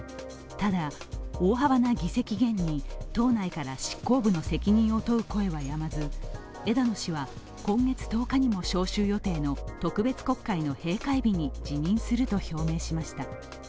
ただ、大幅な議席減に党内から執行部の責任を問う声はやまず、枝野氏は今月１０日も召集予定の特別国会の閉会日に辞任すると表明しました。